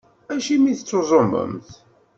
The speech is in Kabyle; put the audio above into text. Acimi i tettuẓumemt?